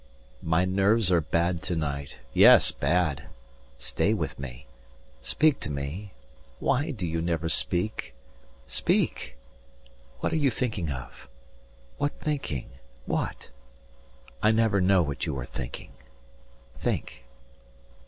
110 "My nerves are bad to night. Yes, bad. Stay with me. Speak to me. Why do you never speak? Speak. What are you thinking of? What thinking? What? I never know what you are thinking. Think."